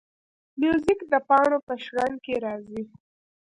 موزیک د پاڼو په شرنګ کې راځي.